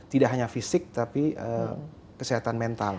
tidak hanya fisik tapi kesehatan mental